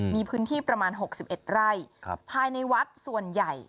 มีพื้นที่ประมาณ๖๑ไร่ภายในวัดส่วนใหญ่